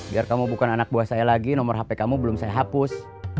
biar kamu bukan anak buah saya lagi nomor hp kamu belum saya hapus